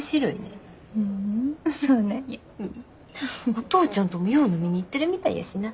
お父ちゃんともよう飲みに行ってるみたいやしな。